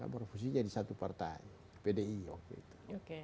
berfungsi jadi satu partai pdi waktu itu